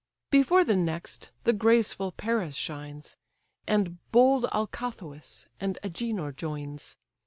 Before the next the graceful Paris shines, And bold Alcathous, and Agenor joins.